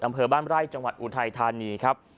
อำเภอบ้านไร่จังหวัดอุทัยธานีครับ